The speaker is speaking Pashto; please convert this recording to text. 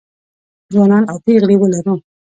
ځوانان او پېغلې ولرو